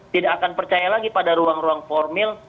tidak akan percaya lagi pada ruang ruang formil